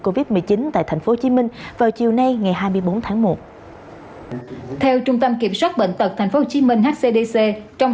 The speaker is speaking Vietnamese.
covid một mươi chín tại tp hcm vào chiều nay ngày hai mươi bốn tháng một theo trung tâm kiểm soát bệnh tật tp hcm hcdc trong